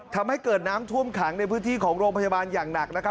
ทำให้เกิดน้ำท่วมขังในพื้นที่ของโรงพยาบาลอย่างหนักนะครับ